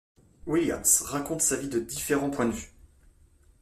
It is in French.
Williams raconte sa vie de différents point de vue.